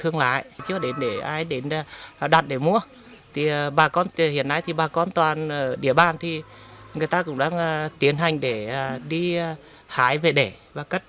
người ta cũng đang tiến hành để đi hái về để và cất